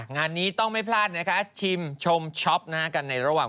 งานนี้ต้องไม่พลาดชิมชมช็อปกันในระหว่าง